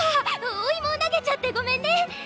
おイモ投げちゃってごめんね！